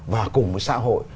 và cùng với xã hội